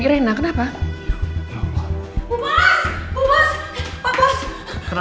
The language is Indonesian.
ini maksimal kayak materikan pria ya